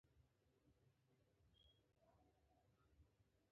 موږ پر دې خاورینې کرې هېڅکله هم یو داسې ملت نه وو.